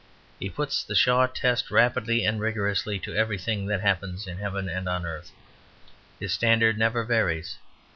He puts the Shaw test rapidly and rigorously to everything that happens in heaven or earth. His standard never varies.